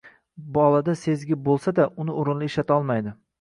Bolada sezgi bo`lsada, uni o`rinli ishlata olmaydi